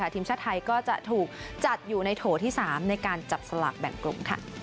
ทีมชาติไทยก็จะถูกจัดอยู่ในโถที่๓ในการจับสลากแบ่งกลุ่ม